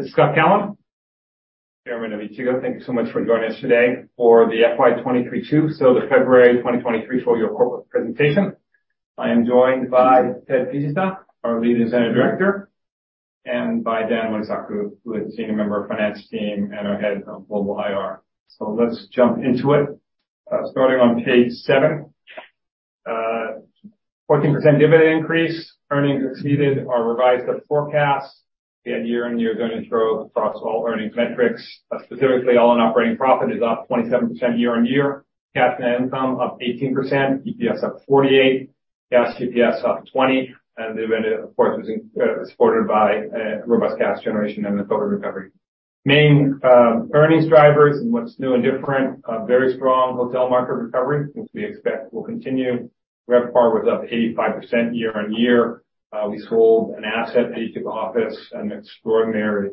This is Scott Callon, Chairman of Ichigo. Thank you so much for joining us today for the FY 23/2, so the February 2023 full year corporate presentation. I am joined by Tetsuya Fujita, our Lead Independent Director, and by Dan Morisaku, who is Senior Member of Finance Team and our Head of Global IR. Let's jump into it. Starting on page 7. 14% dividend increase, earnings exceeded our revised up forecast. We had year-on-year revenue growth across all earnings metrics, specifically all-in operating profit is up 27% year-on-year. Cash net income up 18%, EPS up 48%, cash EPS up 20%. Dividend, of course, was supported by robust cash generation and recovery. Main earnings drivers and what's new and different, a very strong hotel market recovery, which we expect will continue. RevPAR was up 85% year-on-year. We sold an asset, the Ichigo Office, an extraordinary,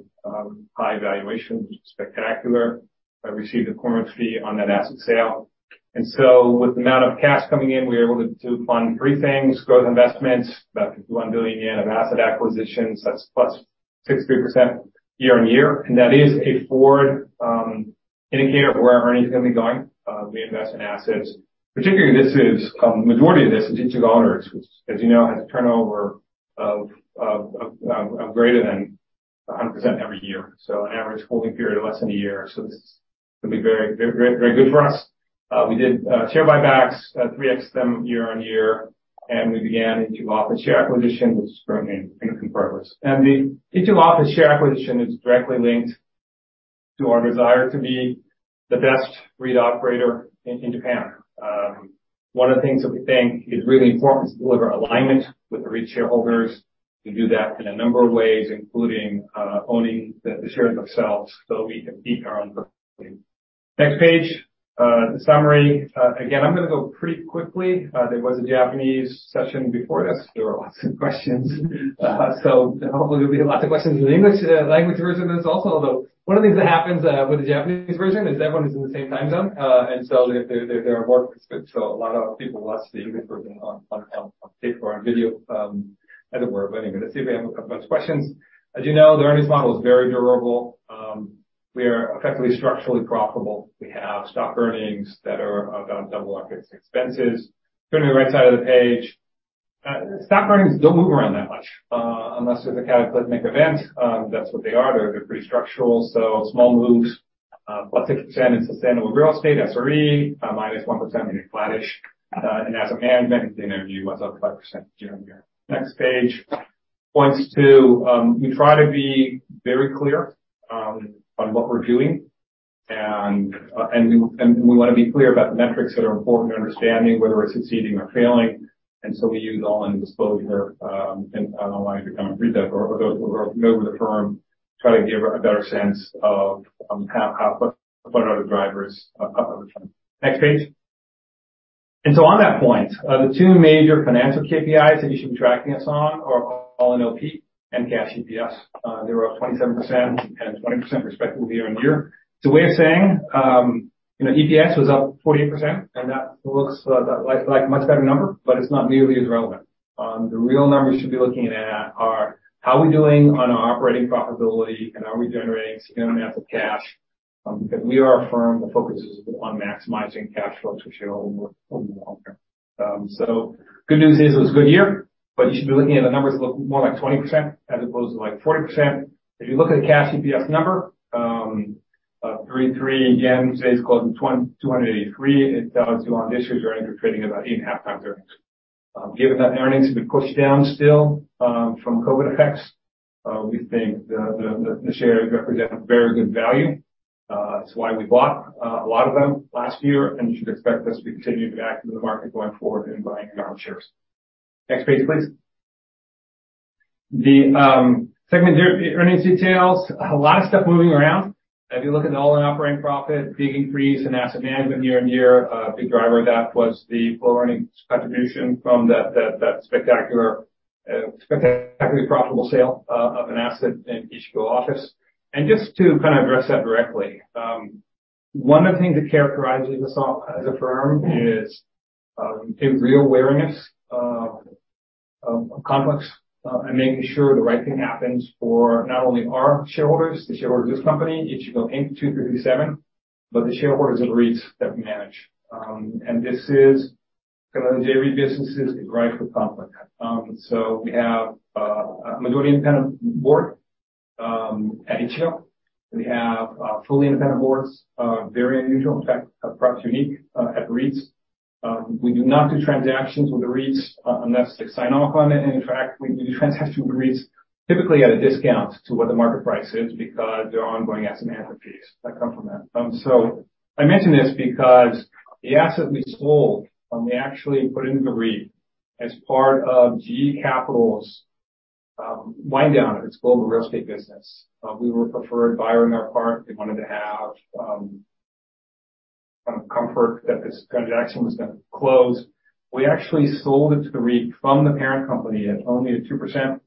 high valuation, spectacular. We received a currency on that asset sale. With the amount of cash coming in, we were able to fund three things, growth investments, about 51 billion yen of asset acquisitions, that's +63% year-on-year. That is a forward indicator of where our earnings are gonna be going. We invest in assets. Particularly, this is majority of this is digital owners, which as you know, has a turnover of greater than 100% every year. An average holding period of less than a year. This could be very, very, very good for us. We did share buybacks, 3x them year-on-year, and we began Ichigo Office share acquisition, which is growing in confluence. The Ichigo Office share acquisition is directly linked to our desire to be the best REIT operator in Japan. One of the things that we think is really important is to deliver alignment with the REIT shareholders. We do that in a number of ways, including owning the shares ourselves, so we can meet our own. Next page, the summary. Again, I'm gonna go pretty quickly. There was a Japanese session before this. There were lots of questions. Hopefully there'll be lots of questions in the English language version of this also, although one of the things that happens with the Japanese version is everyone is in the same time zone. There are more... A lot of people watch the English version on tape or on video, as it were. Anyway, let's see if we have a couple questions. As you know, the earnings model is very durable. We are effectively structurally profitable. We have stock earnings that are about double operating expenses. Turning to the right side of the page. Stock earnings don't move around that much, unless there's a cataclysmic event. That's what they are. They're pretty structural. Small moves, +6% in sustainable real estate, SRE, -1% meaning flattish, in asset management. You went up 5% year-on-year. Next page. Points to, we try to be very clear on what we're doing. We wanna be clear about the metrics that are important to understanding whether we're succeeding or failing. We use all-in disclosure. I don't want you to kind of read that or go, or go over the firm, try to give a better sense of, what are the drivers of the firm. Next page. On that point, the two major financial KPIs that you should be tracking us on are all-in OP and cash EPS. They were up 27% and 20% respectively year-on-year. It's a way of saying, you know, EPS was up 48%, and that looks like a much better number, but it's not nearly as relevant. The real numbers you should be looking at are how we doing on our operating profitability and are we generating significant amounts of cash, because we are a firm that focuses on maximizing cash flows, which show over the long term. Good news is it was a good year. You should be looking at the numbers look more like 20% as opposed to like 40%. If you look at the cash EPS number, 33 says close to 283. It tells you on this year's earnings, we're trading about 8.5x earnings. Given that earnings have been pushed down still, from COVID effects, we think the shares represent very good value. That's why we bought a lot of them last year, and you should expect us to be continuing to be active in the market going forward in buying our own shares. Next page, please. The segment earnings details, a lot of stuff moving around. If you look at the all-in operating profit, big increase in asset management year-on-year. Big driver of that was the full earnings contribution from that spectacular, spectacularly profitable sale of an asset in Ichigo Office. Just to kind of address that directly, one of the things that characterizes us all as a firm is a real wariness of conflicts, and making sure the right thing happens for not only our shareholders, the shareholders of this company, Ichigo Inc. 2337, but the shareholders of the REITs that we manage. This is kind of the daily businesses that drive the conflict. We have a majority independent board at Ichigo. We have fully independent boards, very unusual, in fact, perhaps unique, at the REITs. We do not do transactions with the REITs unless they sign off on it. In fact, we do transactions with the REITs typically at a discount to what the market price is because there are ongoing asset management fees that come from that. I mention this because the asset we sold, we actually put into the REIT as part of GE Capital's wind down of its global real estate business. We were preferred buyer on our part. They wanted to have kind of comfort that this transaction was gonna close. We actually sold it to the REIT from the parent company at only a 2%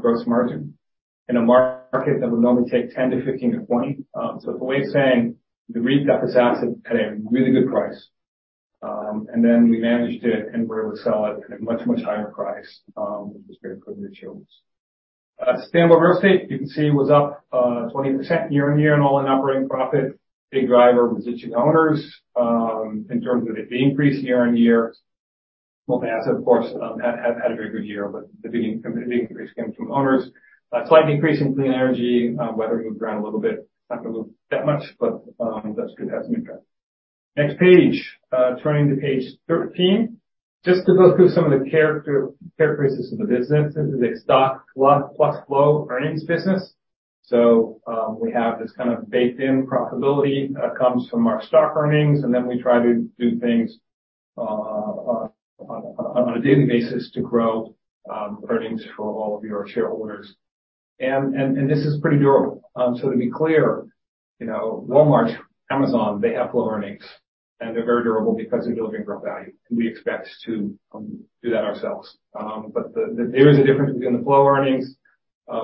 gross margin in a market that would normally take 10%-15%-20%. It's a way of saying the REIT got this asset at a really good price. Then we managed it and were able to sell it at a much, much higher price, which was very good for the shareholders. Sustainable real estate, you can see was up 20% year-on-year in all-in operating profit. Big driver was existing owners in terms of the increase year-on-year. Multi-asset, of course, had a very good year, but the big increase came from owners. A slight increase in clean energy, weather moved around a little bit. It's not gonna move that much, but that's good to have some impact. Next page. Turning to page 13. Just to go through some of the characteristics of the business. This is a stock plus flow earnings business. We have this kind of baked-in profitability, comes from our stock earnings, and then we try to do things on a daily basis to grow earnings for all of your shareholders. This is pretty durable. To be clear, you know, Walmart, Amazon, they have low earnings, and they're very durable because they deliver growth value, and we expect to do that ourselves. But there is a difference between the flow earnings,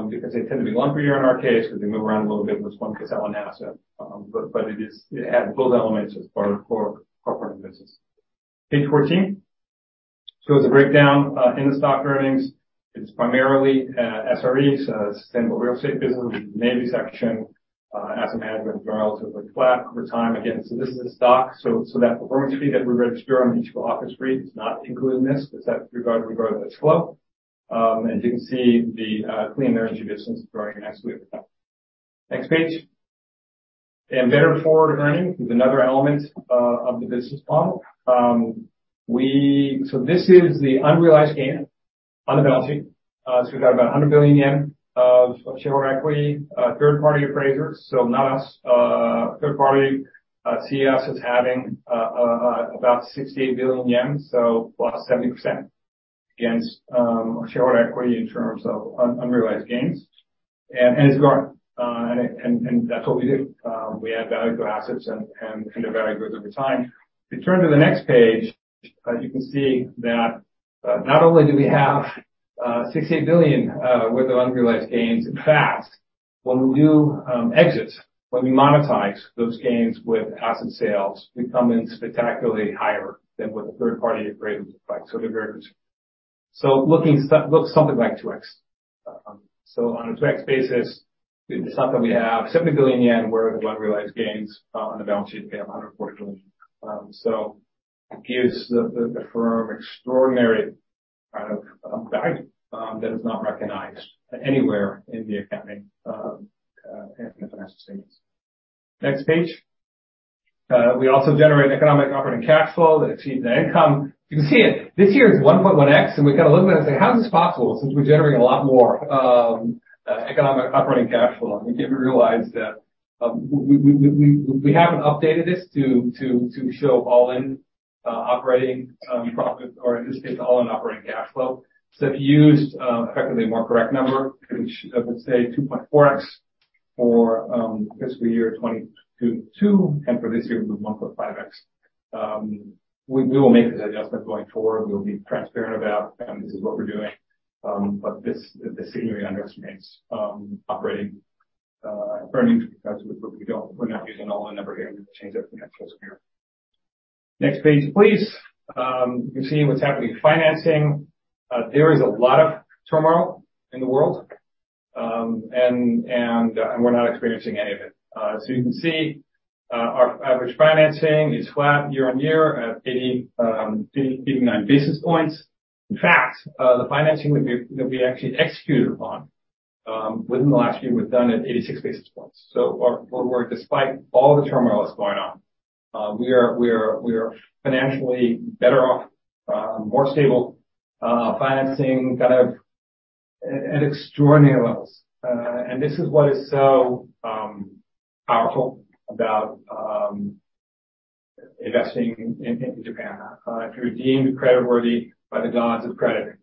because they tend to be lumpier in our case, because they move around a little bit when someone can sell an asset. It has both elements as part of core partnering business. Page 14. Shows a breakdown in the stock earnings. It's primarily SREs, sustainable real estate business, navy section, asset management growing relatively flat over time. Again, this is a stock, so that performance fee that we register on each office REIT is not included in this. It's that regard to this flow. You can see the clean energy business is growing nicely over time. Next page. Better forward earnings is another element of the business model. This is the unrealized gain on the balance sheet. We've got about 100 billion yen of shareholder equity, third-party appraisers, not us. third party CS is having about 68 billion yen, plus 70% against shareholder equity in terms of unrealized gains. It's growing. That's what we do. We add value to our assets and they're very good over time. If you turn to the next page, you can see that not only do we have 68 billion worth of unrealized gains. In fact, when we do exit, when we monetize those gains with asset sales, we come in spectacularly higher than what the third party appraiser looks like. They're very good. Looking something like 2x. On a 2x basis, the sum that we have, 70 billion yen worth of unrealized gains on the balance sheet, we have 140 billion. It gives the firm extraordinary kind of value that is not recognized anywhere in the accounting in the financial statements. Next page. We also generate economic operating cash flow that exceeds the income. You can see it. This year is 1.1x, we got a little bit of say, "How is this possible since we're generating a lot more economic operating cash flow?" We didn't realize that we haven't updated this to show all-in operating profit or in this case, all-in operating cash flow. If you use effectively a more correct number, which I would say 2.4x for fiscal year 2022, and for this year it was 1.5x. We will make this adjustment going forward. We'll be transparent about, and this is what we're doing. This significantly underestimates operating earnings because we're not using all the number here. We change everything next fiscal year. Next page, please. You can see what's happening with financing. There is a lot of turmoil in the world, and we're not experiencing any of it. You can see, our average financing is flat year-on-year at 89 basis points. In fact, the financing that we actually executed upon within the last year was done at 86 basis points. Despite all the turmoil that's going on, we are financially better off, more stable, financing kind of at extraordinary levels. This is what is so powerful about investing in Japan. If you're deemed credit worthy by the gods of credit,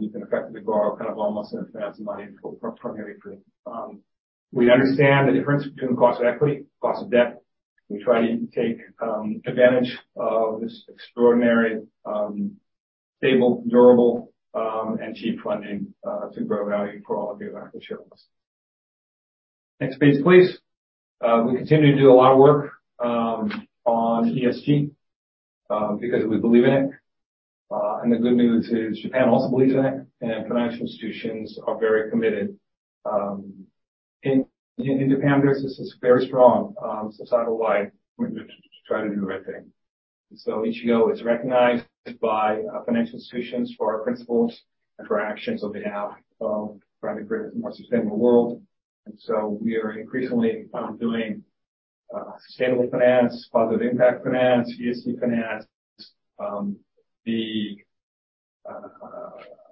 you can effectively borrow kind of almost an infinite amount of money for nearly free. We understand the difference between cost of equity, cost of debt. We try to take advantage of this extraordinary, stable, durable, and cheap funding to grow value for all of you, our shareholders. Next page, please. We continue to do a lot of work on ESG because we believe in it. The good news is Japan also believes in it, and financial institutions are very committed. In Japan, there's this very strong societal-wide commitment to try to do the right thing. Ichigo is recognized by financial institutions for our principles and for our actions on behalf of trying to create a more sustainable world. We are increasingly doing sustainable finance, positive impact finance, ESG finance. Well,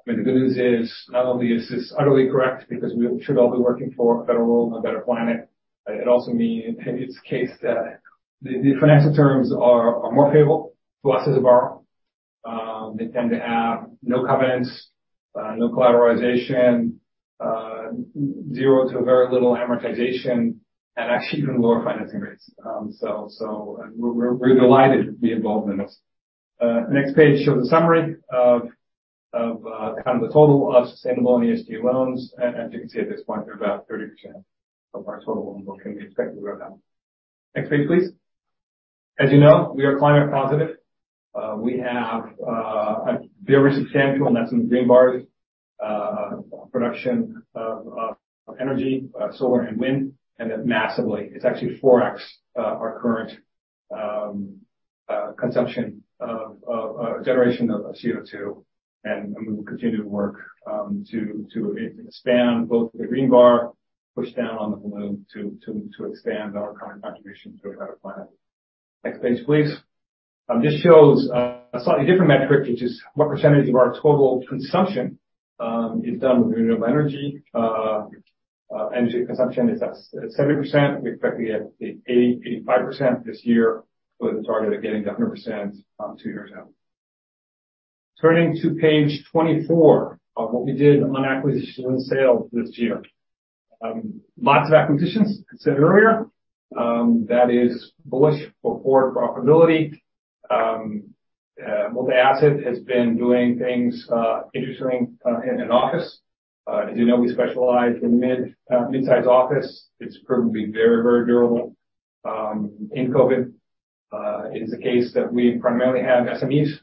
the good news is not only is this utterly correct because we should all be working for a better world and a better planet, it also means in this case that the financial terms are more favorable to us as a borrower. They tend to have no covenants, no collateralization, zero to very little amortization, and actually even lower financing rates. We're delighted to be involved in this. Next page shows a summary of kind of the total of sustainable and ESG loans. As you can see at this point, they're about 30% of our total loan book, and we expect to grow that. Next page, please. As you know, we are climate positive. We have a very substantial, and that's in the green bars, production of energy, solar and wind, and then massively, it's actually 4x our current consumption of generation of CO2. We will continue to work to expand both the green bar, push down on the blue to expand our current contribution to a better planet. Next page, please. This shows a slightly different metric, which is what % of our total consumption is done with renewable energy. Energy consumption is at 70%. We expect to get to 80-85% this year with a target of getting to 100%, two years out. Turning to page 24 of what we did on acquisition and sale this year. Lots of acquisitions, I said earlier. That is bullish for core profitability. Multi-asset has been doing things interesting in office. As you know, we specialize in mid-sized office. It's proven to be very durable in COVID. It is a case that we primarily have SMEs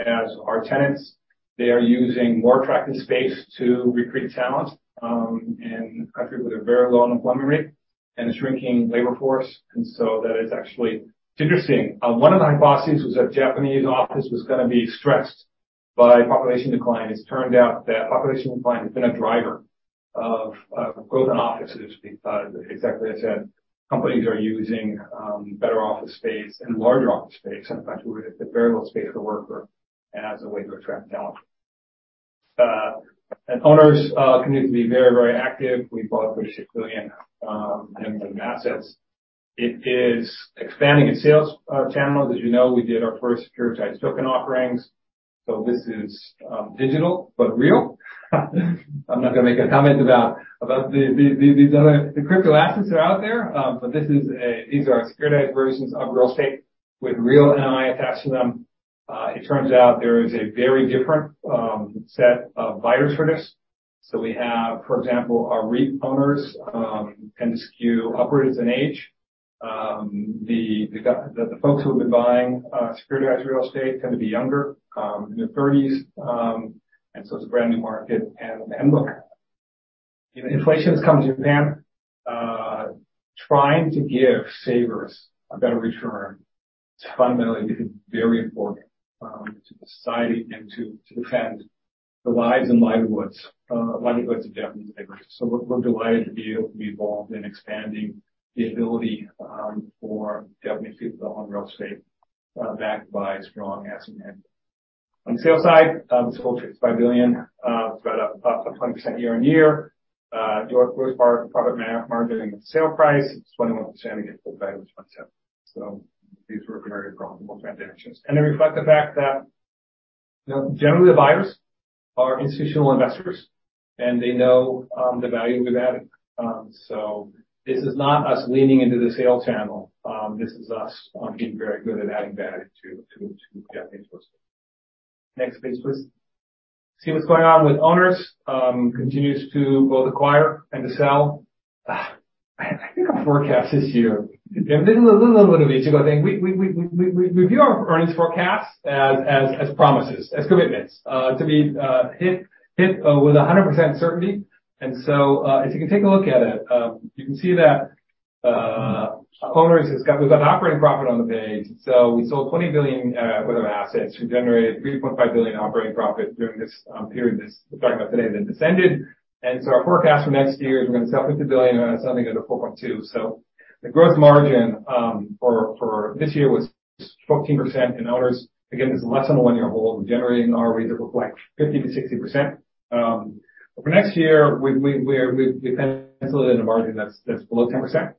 as our tenants. They are using more attractive space to recruit talent in a country with a very low unemployment rate and a shrinking labor force. That is actually interesting. One of the hypotheses was that Japanese office was gonna be stressed by population decline. It's turned out that population decline has been a driver of growth in offices because exactly as I said, companies are using better office space and larger office space in a country with very little space per worker as a way to attract talent. Owners continue to be very, very active. We bought JPY 36 billion in assets. It is expanding its sales channel. As you know, we did our first security token offerings. This is digital but real. I'm not gonna make a comment about the crypto assets that are out there. These are securitized versions of real estate with real NOI attached to them. It turns out there is a very different set of buyers for this. We have, for example, our REIT owners tend to skew upwards in age. The folks who have been buying securitized real estate tend to be younger, in their thirties. It's a brand new market. Look, you know, inflation has come to Japan. Trying to give savers a better return is fundamentally very important to the society and to defend the lives and livelihoods of Japanese savers. We're delighted to be able to be involved in expanding the ability for Japanese people to own real estate backed by strong asset management. On the sales side, it's 4.65 billion. It's about up to 20% year-on-year. New York was part of the profit margin sale price. It's 21% against book value, which once said. These were very profitable transactions. They reflect the fact that, you know, generally the buyers are institutional investors, and they know the value we've added. This is not us leaning into the sales channel. This is us on being very good at adding value to Japanese real estate. Next page, please. See what's going on with Ichigo Owners. Continues to both acquire and to sell. I think our forecast this year, a little bit of each. I think we view our earnings forecast as promises, as commitments to be hit with a 100% certainty. If you can take a look at it, you can see that Owners we've got an operating profit on the page. We sold 20 billion worth of assets. We generated 3.5 billion operating profit during this period we're talking about today that ended December. Our forecast for next year is we're gonna sell 50 billion and earn something under 4.2 billion. The growth margin for this year was 14% in Owners. Again, this is less than a one-year hold. We're generating ROEs that look like 50%-60%. For next year, we've penciled in a margin that's below 10%.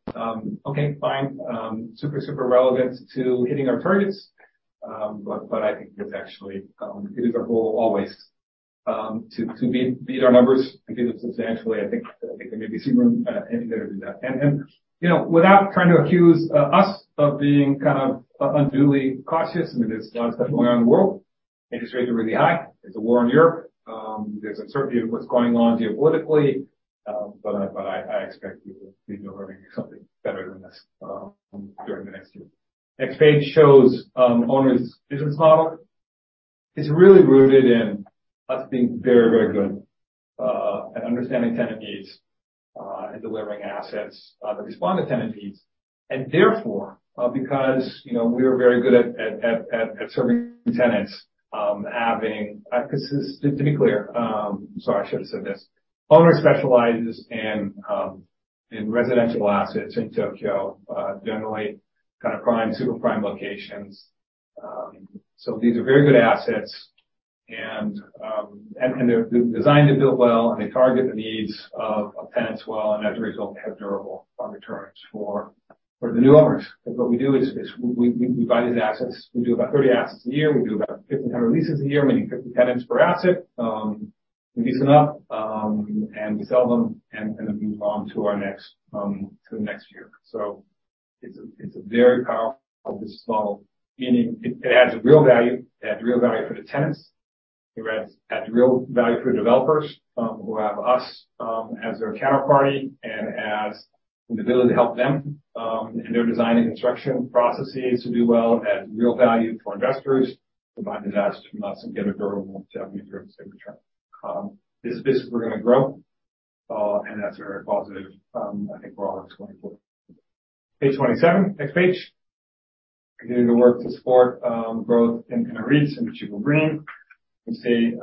Okay, fine. Super, super relevant to hitting our targets. I think it's actually, it is our goal always, to beat our numbers and beat them substantially. I think there may be some room, and there to do that. You know, without trying to accuse, us of being kind of, unduly cautious, I mean, there's a lot of stuff going on in the world. Interest rates are really high. There's a war in Europe. There's uncertainty of what's going on geopolitically. I expect you to earn something better than this, during the next year. Next page shows Owners business model. It's really rooted in us being very, very good, at understanding tenant needs, and delivering assets, that respond to tenant needs. Therefore, because, you know, we are very good at serving tenants. To be clear, sorry, I should've said this. Ichigo Owners specializes in residential assets in Tokyo, generally kind of prime, super prime locations. These are very good assets and they're designed and built well, and they target the needs of tenants well, and as a result, have durable returns for the new owners. What we do is we buy these assets. We do about 30 assets a year. We do about 1,500 leases a year, meaning 50 tenants per asset. We lease them up, and we sell them and then move on to our next to the next year. It's a very powerful business model, meaning it adds real value. It adds real value for the tenants. It adds real value for developers who have us as their counterparty and as the ability to help them in their design and construction processes to do well, adds real value for investors to buy the assets from us and get a durable Japanese real estate return. This business we're gonna grow, and that's very positive, I think for all of 2024. Page 27. Next page. Continuing to work to support growth in our REITs and Ichigo Green. You can see,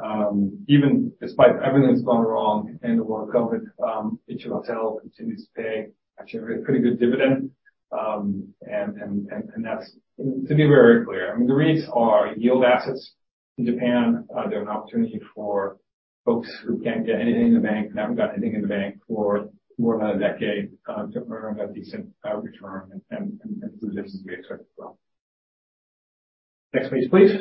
even despite everything that's gone wrong in the world of COVID, Ichigo Hotel continues to pay actually a pretty good dividend. And that's... To be very clear, I mean, the REITs are yield assets in Japan. They're an opportunity for folks who can't get anything in the bank, haven't got anything in the bank for more than a decade, to earn a decent return. This is what we expect as well. Next page, please.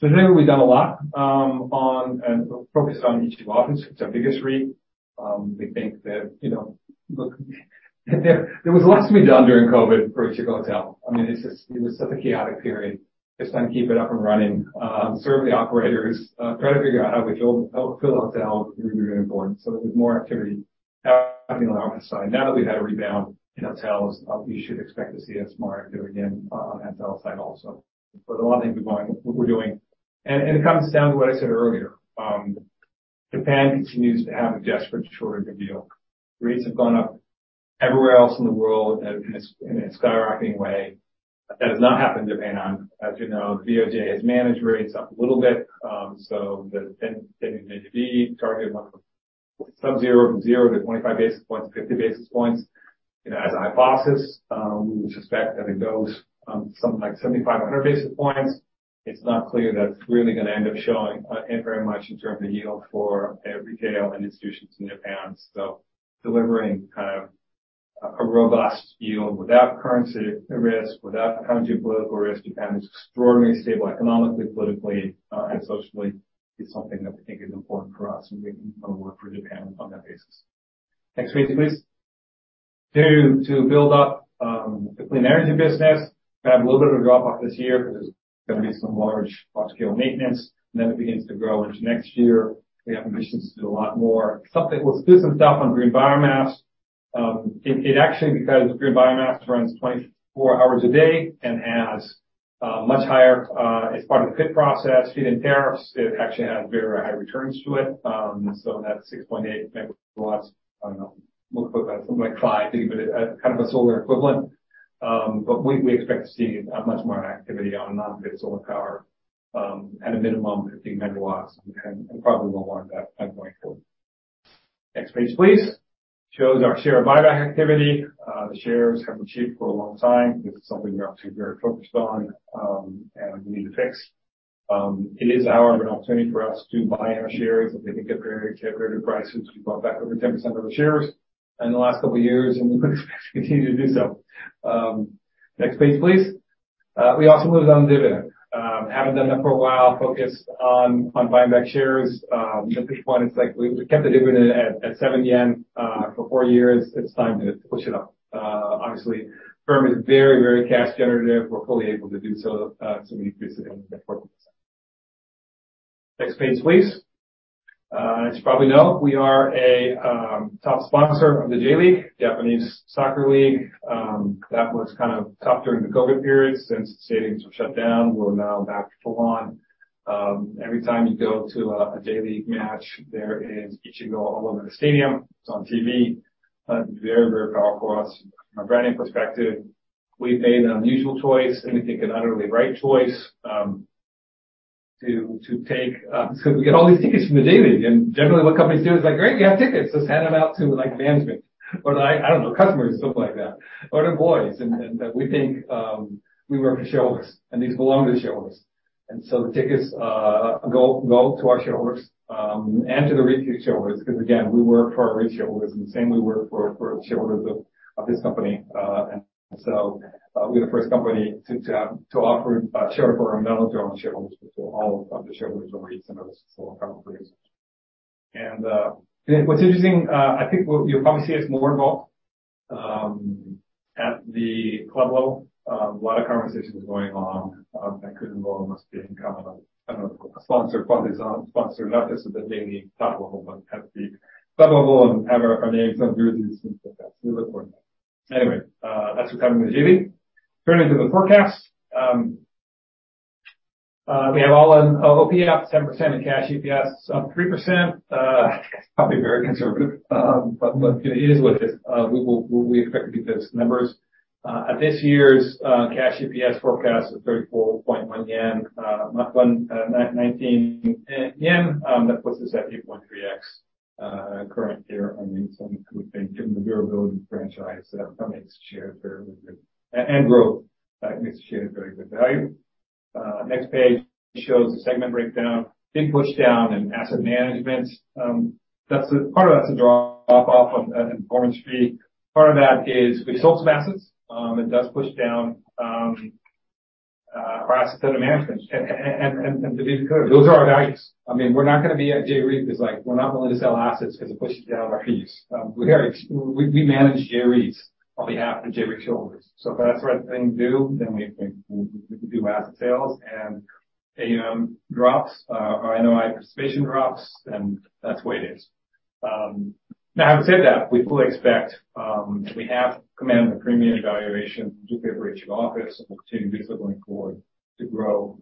Today we've done a lot on and focused on Ichigo Office. It's our biggest REIT. We think that, you know, look, there was lots to be done during COVID for Ichigo Hotel. I mean, it was such a chaotic period. Just trying to keep it up and running, serve the operators, try to figure out how we fill, help fill hotel room important. There was more activity on the office side. Now that we've had a rebound in hotels, we should expect to see us more active again on that hotel side also. There's a lot of things we're doing. It comes down to what I said earlier. Japan continues to have a desperate shortage of yield. REITs have gone up everywhere else in the world in a skyrocketing way. That has not happened in Japan. As you know, BOJ has managed rates up a little bit. The 10-year JGB targeted month of sub zero from 0 to 25 basis points, 50 basis points. You know, as a hypothesis, we would suspect that it goes something like 75, 100 basis points. It's not clear that it's really gonna end up showing very much in terms of yield for retail and institutions in Japan. Delivering kind of a robust yield without currency risk, without kind of geopolitical risk, Japan is extraordinarily stable economically, politically, and socially. It's something that we think is important for us, and we wanna work for Japan on that basis. Next page, please. To build up the clean energy business. We've had a little bit of a drop off this year because there's gonna be some large-scale maintenance, and then it begins to grow into next year. We have ambitions to do a lot more. We'll do some stuff on green biomass. It actually, because green biomass runs 24 hours a day and has much higher, as part of the FIT process, feed-in tariffs, it actually has very high returns to it. That's 6.8 megawatts. I don't know. We'll put that something like five, I think, kind of a solar equivalent. We expect to see much more activity on non-FIT solar power, at a minimum, 15 MW and probably more than that going forward. Next page, please. Shows our share buyback activity. The shares have been cheap for a long time. This is something we're obviously very focused on, and we need to fix. It is however an opportunity for us to buy our shares if we think they're very, very good prices. We've bought back over 10% of the shares in the last couple years, and we would expect to continue to do so. Next page, please. We also moved on the dividend. Haven't done that for a while, focused on buying back shares. At this point, it's like we kept the dividend at 7 yen for four years. It's time to push it up. Obviously, firm is very cash generative. We're fully able to do so. We increased it by 40%. Next page, please. As you probably know, we are a top sponsor of the J.League, Japanese Soccer League. That was kind of tough during the COVID period since the stadiums were shut down. We're now back full on. Every time you go to a J.League match, there is Ichigo all over the stadium. It's on TV. Very powerful for us from a branding perspective. We've made an unusual choice and we think an utterly right choice to take, so we get all these tickets from the J.League. Generally what companies do is like, "Great, we have tickets. Let's hand them out to, like, management or I don't know, customers, something like that, or employees." We think we work for shareholders, and these belong to the shareholders. The tickets go to our shareholders and to the REIT shareholders, 'cause again, we work for our REIT shareholders in the same way we work for shareholders of this company. We're the first company to offer shareholder and non-shareholder shareholders, to all of the shareholders of REITs and other solar power producers. What's interesting, I think what you'll probably see us more involved at the club level. A lot of conversations going on that could involve us being kind of a, I don't know, a sponsor, front-of-the-shirt sponsor, not just of the J.League top level, but at the sub-level and have our name on jerseys and stuff like that. We look for that. Anyway, that's regarding the J.League. Turning to the forecast. We have all-in OCF 7% and cash EPS up 3%. It's probably very conservative. Look, you know, it is what it is. We expect to beat those numbers. At this year's cash EPS forecast of 34.1 yen, not one, 19 yen, that puts us at 8.3x current year earnings. We think given the durability of the franchise, that makes the shares very, very good. Growth makes the shares very good value. Next page shows the segment breakdown. Big push down in asset management. Part of that's a drop off of performance fee. Part of that is we sold some assets. It does push down for asset under management. To be clear, those are our values. I mean, we're not gonna be at J-REIT because, like, we're not willing to sell assets 'cause it pushes down our fees. We manage J-REITs on behalf of J-REIT shareholders. If that's the right thing to do, we can do asset sales, and AUM drops, or NOI participation drops, that's the way it is. Now having said that, we fully expect, we have commanded a premium valuation due to our H2 office and opportunities are going forward to grow,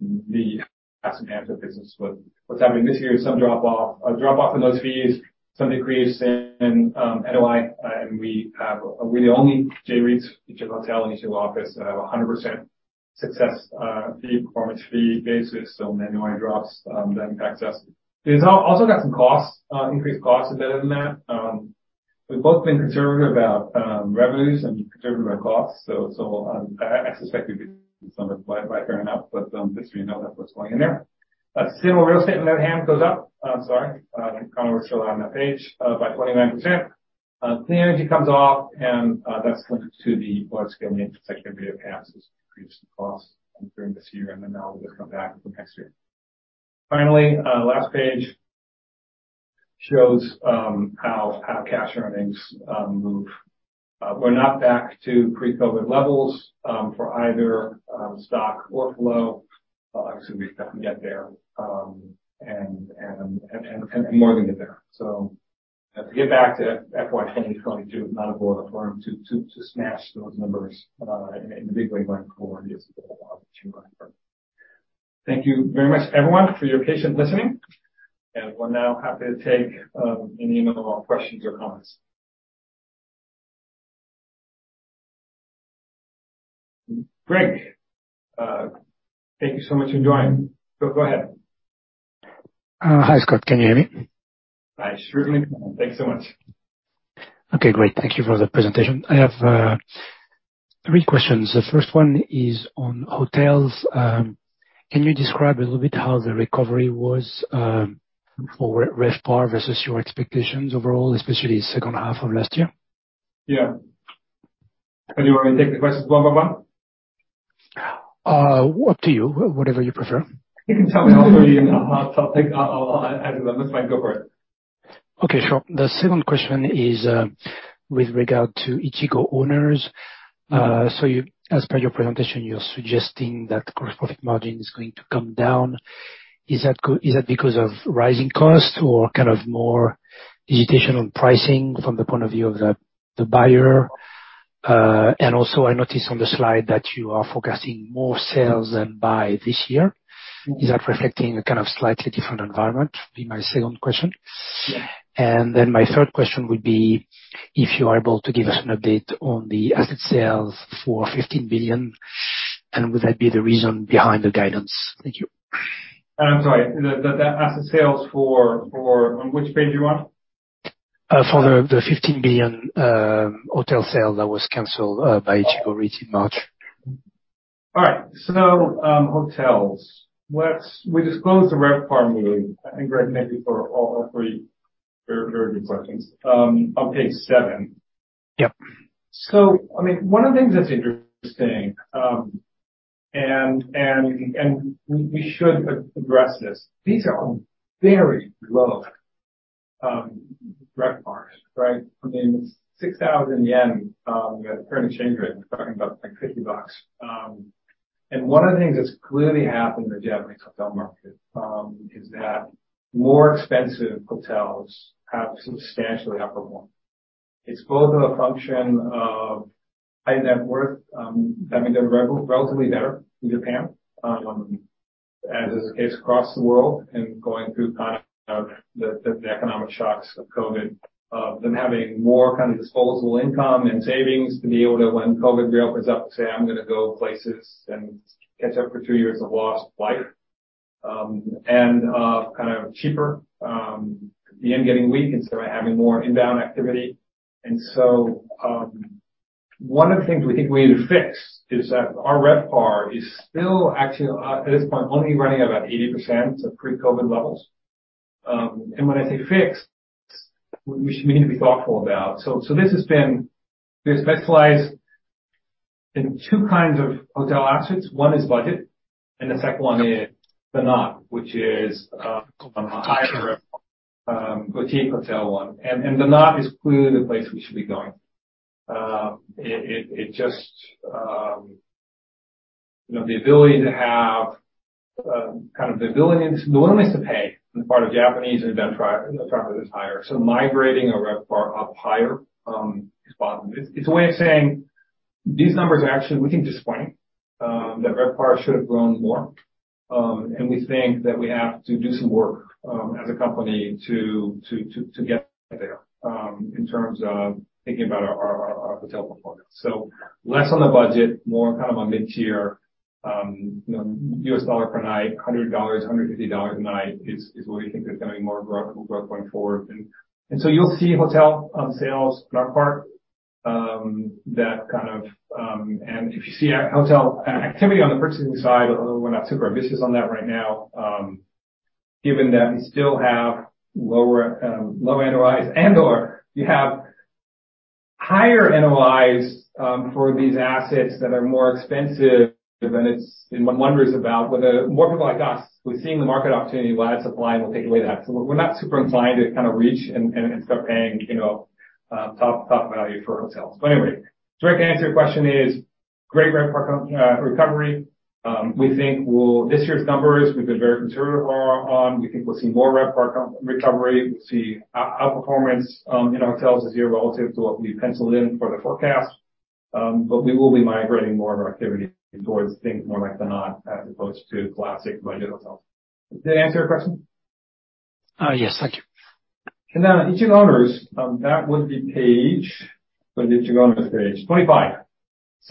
the asset management business. What's happening this year is some drop off in those fees, some decrease in NOI, and We're the only J-REITs in Japan hotel and H2 office that have 100% success, fee, performance fee basis, so NOI drops, that impacts us. It's also got some costs, increased costs embedded in that. We've both been conservative about revenues and conservative about costs, so I suspect you'll be some of it by fair amount, but just so you know that's what's going in there. Civil real estate on the other hand goes up. I'm sorry. Kind of what showed on that page, by 29%. Clean energy comes off and that's linked to the large-scale infrastructure we have passed has increased the costs during this year, and then that will just come back the next year. Last page shows how cash earnings move. We're not back to pre-COVID levels for either stock or flow. Obviously, we've got to get there and more than get there. To get back to FY 2022, not a goal of the firm to smash those numbers in a big way going forward is the goal of the team going forward. Thank you very much everyone for your patient listening, and we're now happy to take any and all questions or comments. Greg, thank you so much for joining. Go ahead. Hi, Scott. Can you hear me? Hi. Certainly. Thanks so much. Okay, great. Thank you for the presentation. I have three questions. The first one is on hotels. Can you describe a little bit how the recovery was for RevPAR versus your expectations overall, especially second half of last year? Yeah. You want me to take the questions one by one? Up to you. Whatever you prefer. You can tell me also, you know, hot topic. I'll add them. Let's go for it. Okay, sure. The second question is, with regard to Ichigo Owners. As per your presentation, you're suggesting that gross profit margin is going to come down. Is that because of rising costs or kind of more digitization on pricing from the point of view of the buyer? Also, I noticed on the slide that you are forecasting more sales than buy this year. Is that reflecting a kind of slightly different environment? Would be my second question. Yeah. My third question would be if you are able to give us an update on the asset sales for 15 billion, and would that be the reason behind the guidance? Thank you. I'm sorry. The asset sales for... On which page you are? For the 15 billion hotel sale that was canceled by Ichigo REIT in March. Right. Hotels. We disclosed the RevPAR movie, I think, Greg, maybe for all three very good questions on page seven. Yep. I mean, one of the things that's interesting, and we should address this, these are all very low RevPARs, right? I mean, it's 6,000 yen. At the current exchange rate, we're talking about, like, $50. One of the things that's clearly happened in the Japanese hotel market is that more expensive hotels have substantially outperformed. It's both a function of high net worth, that means they're relatively better in Japan, as is the case across the world and going through kind of the economic shocks of COVID, them having more kind of disposable income and savings to be able to, when COVID reopens up, say, "I'm gonna go places and catch up for two years of lost life." And kind of cheaper, the yen getting weak and so having more inbound activity. One of the things we think we need to fix is that our RevPAR is still actually at this point, only running about 80% of pre-COVID levels. And when I say fix, we should need to be thoughtful about... This has been... We specialize in two kinds of hotel assets. One is budget, and the second one is THE KNOT, which is a higher RevPAR boutique hotel one. THE KNOT is clearly the place we should be going. It just, you know, the ability to have kind of the ability and the willingness to pay on the part of Japanese and then the travelers is higher. Migrating a RevPAR up higher is positive. It's a way of saying these numbers are actually we think disappointing, that RevPAR should have grown more. We think that we have to do some work as a company to get there in terms of thinking about our hotel performance. Less on the budget, more on kind of a mid-tier, you know, US dollar per night, $100, $150 a night is what we think is gonna be more grow-grow going forward. You'll see hotel sales RevPAR that kind of, and if you see a hotel activity on the purchasing side, although we're not super ambitious on that right now, given that we still have lower low NOIs and/or you have higher NOIs for these assets that are more expensive than it's. One wonders about whether more people like us who are seeing the market opportunity will add supply, and we'll take away that. We're not super inclined to kinda reach and start paying, you know, top value for our hotels. Anyway, direct answer to your question is great RevPAR recovery. We think this year's numbers we've been very conservative on. We think we'll see more RevPAR recovery. We'll see outperformance in our hotels this year relative to what we penciled in for the forecast. We will be migrating more of our activity towards things more like THE KNOT as opposed to classic budget hotels. Does that answer your question? Yes. Thank you. Ichigo Owners, that would be page, for the Ichigo Owners page, 25.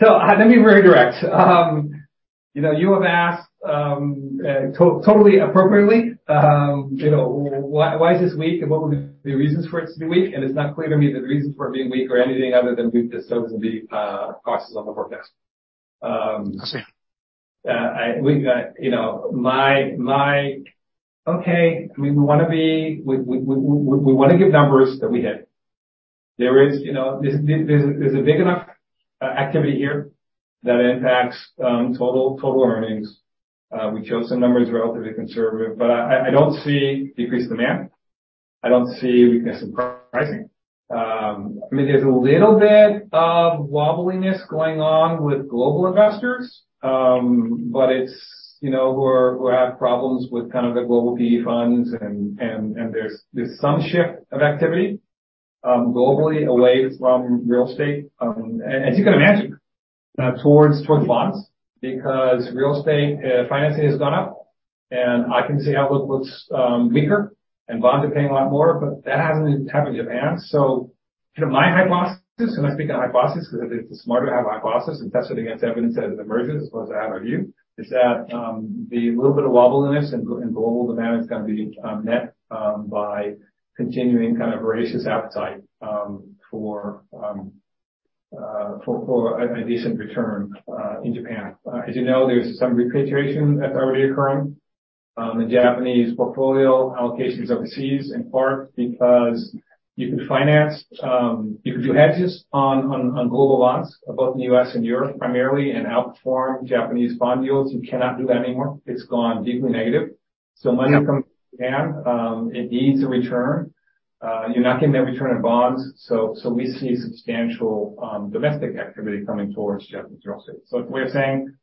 Let me be very direct. you know, you have asked, totally appropriately, you know, why is this weak, and what would the reasons for it to be weak? It's not clear to me that the reasons for it being weak are anything other than we've disclosed in the costs on the forecast. I see. You know, we wanna give numbers that we hit. There is, you know, this is a big enough activity here that impacts total earnings. We chose some numbers relatively conservative, but I don't see decreased demand. I don't see weakness in pricing. I mean, there's a little bit of wobbliness going on with global investors, but it's, you know, who are, who have problems with kind of the global PE funds and there's some shift of activity globally away from real estate. As you can imagine, towards bonds because real estate financing has gone up. I can see outlook looks weaker, and bonds are paying a lot more, but that hasn't happened in Japan. you know, my hypothesis, and I speak in hypothesis because it's smarter to have a hypothesis and test it against evidence as it emerges as opposed to have a view, is that the little bit of wobbliness in global demand is gonna be met by continuing kind of voracious appetite for a decent return in Japan. As you know, there's some repatriation that's already occurring in Japanese portfolio allocations overseas, in part because you could finance... you could do hedges on global bonds, both in the US and Europe primarily, and outperform Japanese bond yields. You cannot do that anymore. It's gone deeply negative. Money comes to Japan, it needs a return. You're not getting that return on bonds, so we see substantial domestic activity coming towards Japanese real estate. We're saying,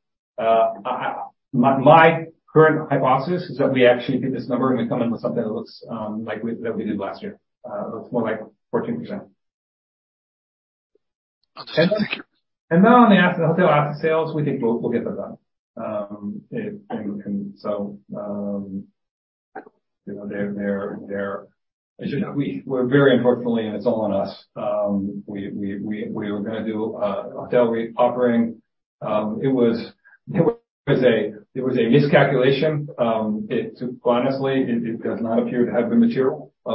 my current hypothesis is that we actually hit this number, and we come in with something that looks like that we did last year, looks more like 14%. Understood. Thank you. On the hotel asset sales, we think we'll get that done. We're very unfortunately, and it's all on us, we were gonna do a hotel REIT offering. It was a miscalculation. Honestly, it does not appear to have been material. It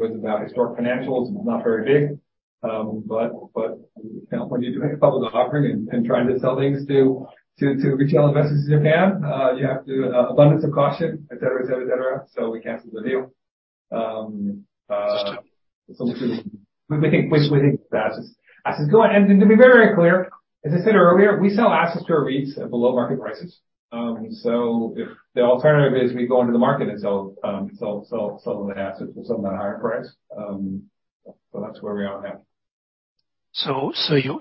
was about historic financials. It was not very big. But, you know, when you're doing a public offering and trying to sell things to retail investors in Japan, you have to do an abundance of caution, et cetera, et cetera, et cetera. We canceled the deal. Understood. We think the assets go on. To be very clear, as I said earlier, we sell assets to our REITs at below market prices. If the alternative is we go into the market and sell the assets and sell them at a higher price, that's where we are now.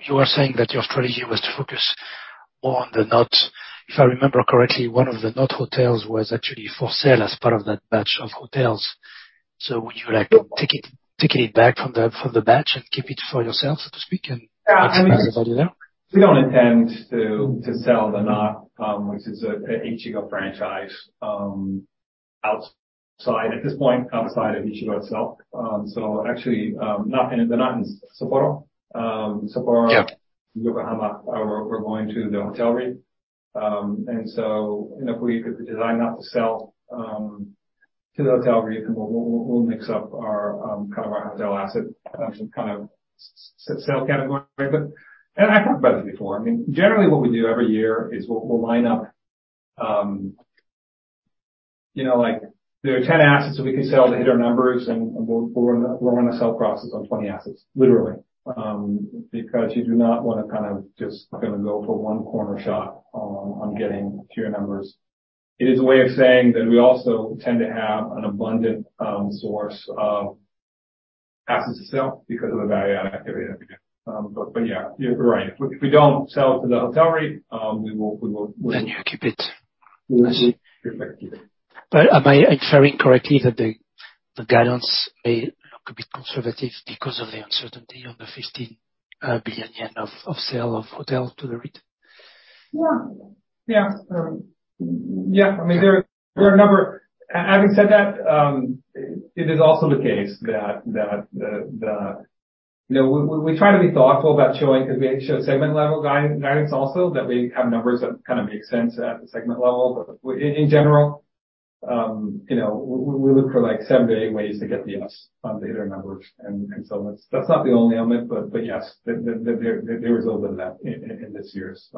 You are saying that your strategy was to focus more on THE KNOT. If I remember correctly, one of THE KNOT hotels was actually for sale as part of that batch of hotels. Would you like to take it back from the batch and keep it for yourself, so to speak, and maximize the value there? We don't intend to sell THE KNOT, which is a Ichigo franchise, outside, at this point, outside of Ichigo itself. Actually, not in Sapporo. Yeah. Yokohama we're going to the hotel REIT. You know, if we could design that to sell to the hotel REIT, then we'll mix up our kind of our hotel asset kind of sales category. And I've talked about this before. I mean, generally what we do every year is we'll line up, you know, like there are 10 assets that we can sell to hit our numbers, and we're on a sell process on 20 assets, literally. You do not wanna kind of just gonna go for one corner shot on getting to your numbers. It is a way of saying that we also tend to have an abundant source of assets to sell because of the value-add activity that we do. Yeah, you're right. If we don't sell to the hotel REIT, we will. You keep it. I see. We will keep it. Am I inferring correctly that the guidance may look a bit conservative because of the uncertainty on the 15 billion yen of sale of hotel to the REIT? Yeah. Yeah. Yeah. I mean, there are a number. Having said that, it is also the case that, that, you know, we try to be thoughtful about showing, 'cause we show segment level guidance also, that we have numbers that kind of make sense at the segment level. In general, you know, we look for like 7-8 ways to get to yes on hitting our numbers. That's, that's not the only element, but yes, there is a little bit of that in, in this year's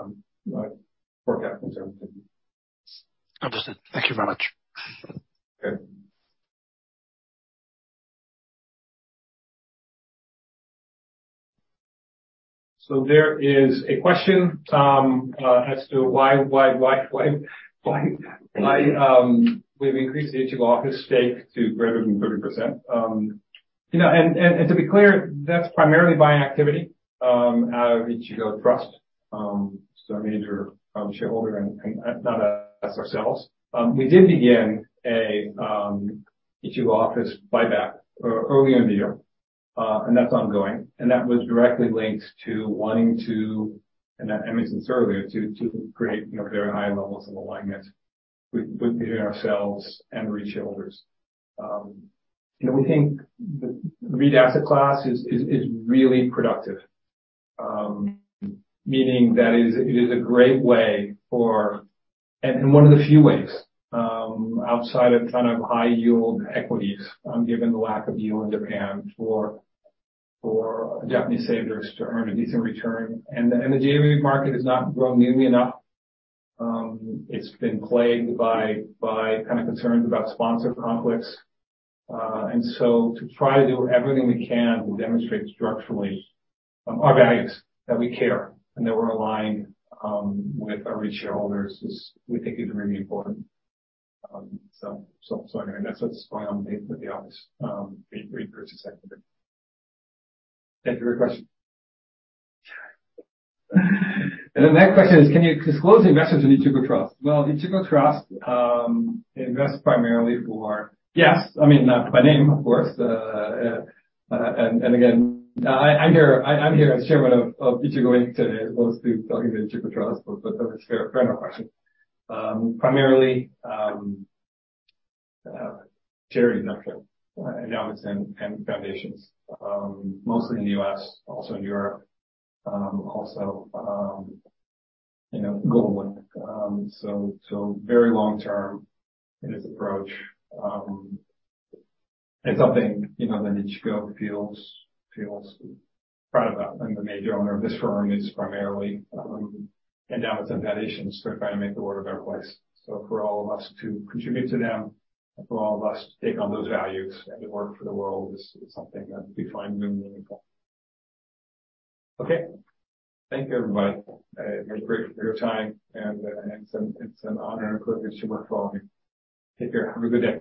forecast uncertainty. Understood. Thank you very much. Okay. There is a question, as to why we've increased the Ichigo Office stake to greater than 30%. You know, and to be clear, that's primarily by activity out of Ichigo Trust, so a major shareholder and not us, ourselves. We did begin a Ichigo Office buyback early in the year, and that's ongoing. That was directly linked to wanting to, and I mentioned this earlier, to create, you know, very high levels of alignment with, between ourselves and REIT shareholders. You know, we think the REIT asset class is really productive. Meaning that is, it is a great way for... One of the few ways outside high yield equities, given the lack of yield in Japan for Japanese savers to earn a decent return. The J-REIT market has not grown nearly enough. It's been plagued by kind of concerns about sponsor conflicts. To try to do everything we can to demonstrate structurally our values, that we care, and that we're aligned with our REIT shareholders is we think is really important. Anyway, that's what's going on with the office repurchase executive. Thank you for your question. The next question is, can you disclose investors in Ichigo Trust? Well, Ichigo Trust invests primarily. Yes, I mean, not by name, of course. Again, I'm here as chairman of Ichigo today as opposed to talking to Ichigo Trust, that's a fair enough question. Primarily, charity investment, endowments and foundations. Mostly in the U.S., also in Europe, also, you know, global. So very long-term in its approach. It's something, you know, that Ichigo feels proud about. The major owner of this firm is primarily endowments and foundations who are trying to make the world a better place. For all of us to contribute to them, and for all of us to take on those values and to work for the world is something that we find really meaningful. Okay. Thank you, everybody. It was great for your time, and it's an honor and privilege to work for all of you. Take care. Have a good day.